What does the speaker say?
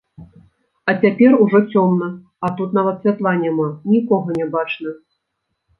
А цяпер ужо цёмна, а тут нават святла няма, нікога не бачна.